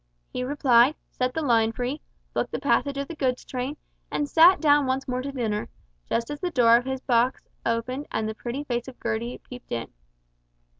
He replied, set the line free, booked the passage of the goods train, and sat down once more to dinner, just as the door of his box opened and the pretty face of Gertie peeped in.